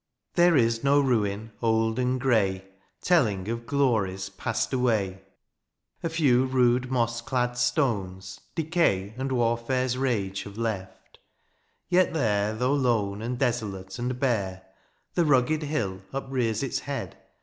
There is no ruin old and grey. Telling of glories passed away ; A few rude moss clad stones, decay And warfare's rage have lefb ; yet there Though lone, and desolate, and bare. The rugged hill uprears its head.